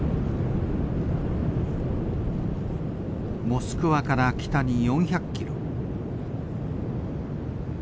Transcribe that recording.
モスクワから北に４００ｋｍ。